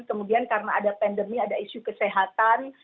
kemudian karena ada pandemi ada isu kesehatan